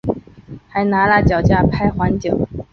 还拿了脚架拍环景